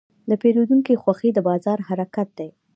د پیرودونکي خوښي د بازار حرکت دی.